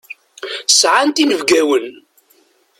Sɛant inebgawen.